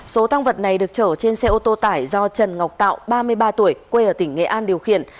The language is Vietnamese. số tăng vật này được chở trên xe ô tô tải do trần ngọc tạo ba mươi ba tuổi quê ở tỉnh nghệ an điều khiển